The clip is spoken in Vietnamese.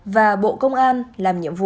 và bộ công an làm nhiệm vụ